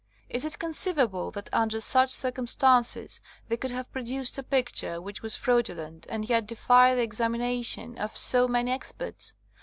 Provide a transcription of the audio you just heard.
Is it conceivable that under such circumstances they could have produced a picture which was fraudu lent and yet defied the examination of so many experts